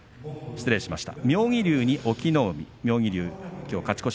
失礼しました。